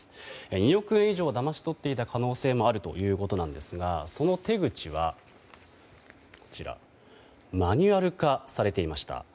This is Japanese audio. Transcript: ２億円以上だまし取っていた可能性もあるということですがその手口はマニュアル化されていました。